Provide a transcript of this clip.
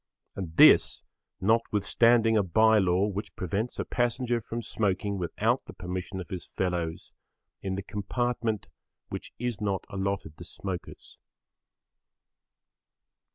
And this, notwithstanding a bye law which prevents a passenger from smoking without the permission of his fellows in the compartment which is not allotted to smokers.